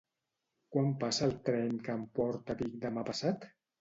Quan passa el tren que em porta a Vic demà passat?